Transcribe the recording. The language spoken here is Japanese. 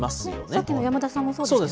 さっきの山田さんもそうでしたよね。